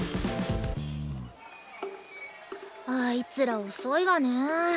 あいつら遅いわね。